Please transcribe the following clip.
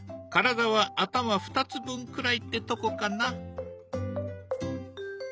体は頭２つ分くらいってとこかな。